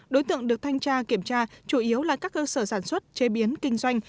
đối tượng được thanh tra kiểm tra chủ yếu là các cơ sở sản xuất chế biến kinh doanh